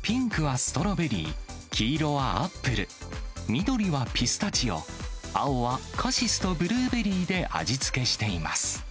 ピンクはストロベリー、黄色はアップル、緑はピスタチオ、青はカシスとブルーベリーで味付けしています。